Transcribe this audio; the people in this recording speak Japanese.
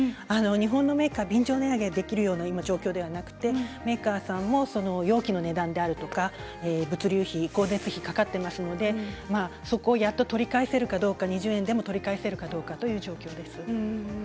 日本のメーカーは便乗値上げできる状況ではなくメーカーさんも容器の値段や物流費、光熱費がかかっていますのでそこをやっと取り返せるかどうか２０円でも取り返せるかどうかという状況です。